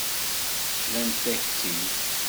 Rrant-ak-tt-id.